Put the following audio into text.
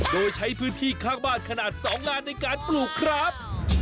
โดยใช้พื้นที่ข้างบ้านขนาด๒งานในการปลูกครับ